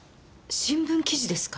新聞記事ですか？